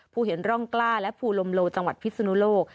ผู้เห็นร่องกล้าและภูลมโลจังหวัดพิศนุโลก